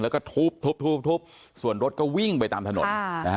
แล้วก็ทุบทุบส่วนรถก็วิ่งไปตามถนน